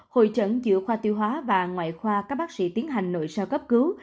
hội trận giữa khoa tiêu hóa và ngoại khoa các bác sĩ tiến hành nội sao cấp cứu